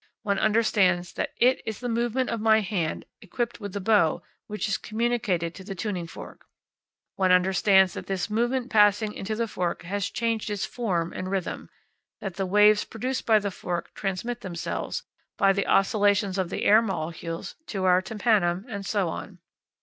One understands that It is the movement of my hand equipped with the bow which is communicated to the tuning fork. One understands that this movement passing into the fork has changed its form and rhythm, that the waves produced by the fork transmit themselves, by the oscillations of the air molecules, to our tympanum, and so on.